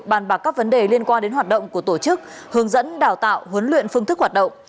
bàn bạc các vấn đề liên quan đến hoạt động của tổ chức hướng dẫn đào tạo huấn luyện phương thức hoạt động